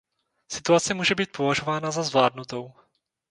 Situace může být považována za zvládnutou.